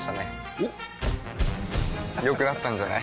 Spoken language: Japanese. おっ良くなったんじゃない？